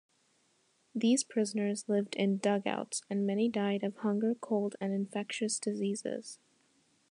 These prisoners lived in dugouts, and many died of hunger, cold, and infectious diseases.